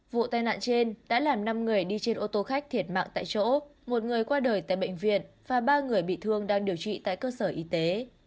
vụ tai nạn trên đã làm năm người đi trên ô tô khách thiệt mạng tại chỗ một người qua đời tại bệnh viện và ba người bị thương đang điều trị tại cơ sở y tế